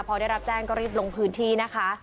พอได้รับแจ้งก็รีบลงพื้นที่นะคะ